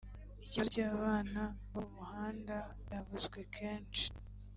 Ikibazo cy’bana bo mu muhanda cyavuzwe kenshi